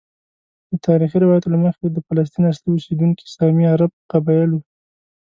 د تاریخي روایاتو له مخې د فلسطین اصلي اوسیدونکي سامي عرب قبائل وو.